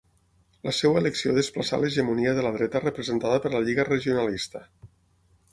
La seva elecció desplaçà l’hegemonia de la dreta representada per la Lliga Regionalista.